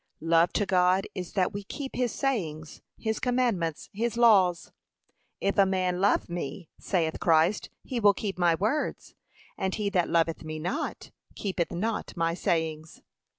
Love to God is, that we keep his sayings, his commandments, his laws. 'If a man love me,' saith Christ, 'he will keep my words; and he that loveth me not, keepeth not my sayings.'